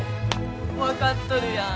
わかっとるやん。